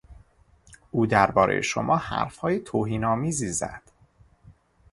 او دربارهی شما حرفهای توهین آمیزی زد.